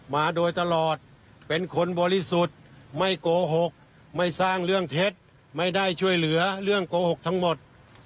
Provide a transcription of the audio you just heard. มาโดยตลอดเป็นคนบริสุทธิ์ไม่โกหกไม่สร้างเรื่องเท็จไม่ได้ช่วยเหลือเรื่องโกหกทั้งหมด